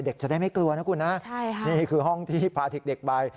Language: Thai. เด็กจะได้ไม่กลัวนะคุณนะใช่ค่ะนี่คือห้องที่พาทิกเด็กบาย